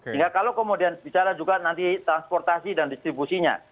sehingga kalau kemudian bicara juga nanti transportasi dan distribusinya